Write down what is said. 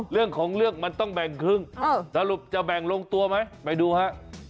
เรื่องของเรื่องมันต้องแบ่งครึ่งสรุปจะแบ่งลงตัวไหมไปดูฮะ